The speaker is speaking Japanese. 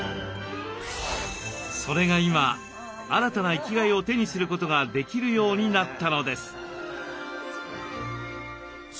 それが今新たな生きがいを手にすることができるようになったのです。